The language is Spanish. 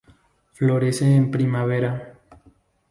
Florece en primavera.